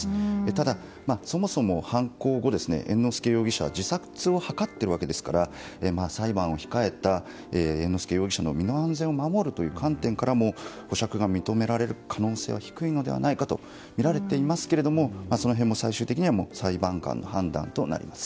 ただ、そもそも犯行後猿之助容疑者は自殺を図っているわけですから裁判を控えた猿之助容疑者の身の安全を守るという観点からも保釈が認められる可能性は低いのではないかとみられていますがその辺も最終的には裁判官の判断となります。